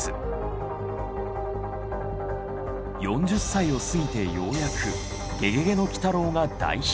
４０歳を過ぎてようやく「ゲゲゲの鬼太郎」が大ヒット。